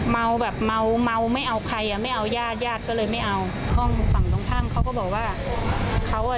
เมาแบบเมาเมาไม่เอาใครอ่ะไม่เอาย้ายาดก็เลยไม่เอาเขาก็บอกว่าเขาอ่ะ